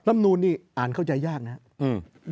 นูนนี่อ่านเข้าใจยากนะครับ